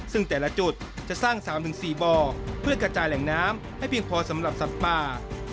ซึ่งแต่ละจุดจะสร้าง๓๔บ่อเพื่อกระจายแหล่งน้ำให้เพียงพอสำหรับสัตว์ป่า